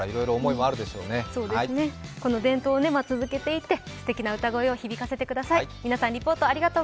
この伝統を続けていって、すてきな歌声を響かせてください。